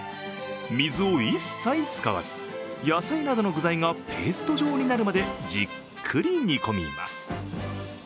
水を一切使わず、野菜などの具材がペースト状になるまでじっくり煮込みます。